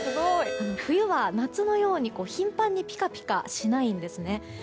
冬は夏のように頻繁にピカピカしないんですね。